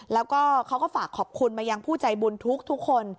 แล้วก็เขาก็ฝากขอบคุณมายังผู้ใจบุญทุกคน